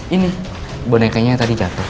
ini bonekanya tadi jatuh